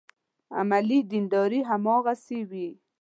عملي دینداري هماغسې وي.